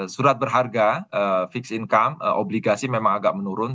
surat berharga fixed income obligasi memang agak menurun